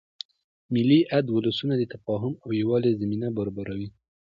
مېلې اد ولسونو د تفاهم او یووالي زمینه برابروي.